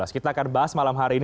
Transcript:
kita akan bahas malam hari ini